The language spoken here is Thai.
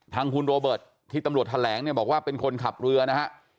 ทางคุณโรเบิร์ตที่ตำรวจแถลงเนี่ยบอกว่าเป็นคนขับเรือนะฮะ